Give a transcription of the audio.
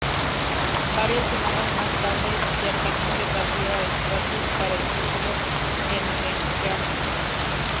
Varias semanas más tarde, Jacqueline desafió a Stratus para el título en Vengeance.